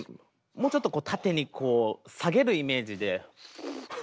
もうちょっと縦に下げるイメージで。